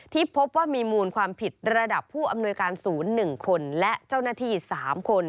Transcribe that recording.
ที่พบว่ามีมูลความผิดระดับผู้อำนวยการศูนย์๑คนและเจ้าหน้าที่๓คน